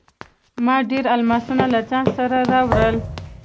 ما ډیر الماسونه له ځان سره راوړل.